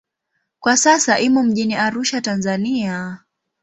Kwa sasa imo mjini Arusha, Tanzania.